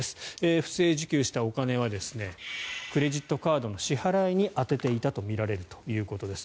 不正受給したお金はクレジットカードの支払いに充てていたとみられるということです。